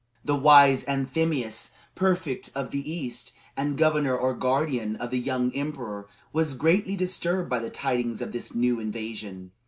The wise Anthemius, prefect of the east, and governor or guardian of the young emperor, was greatly disturbed by the tidings of this new invasion.